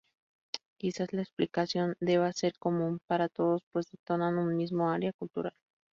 Quizás la explicación deba ser común para todos pues denotan un mismo área cultural.